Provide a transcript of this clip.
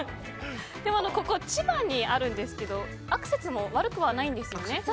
ここ、千葉にあるんですけどアクセスも悪くはないんですよね。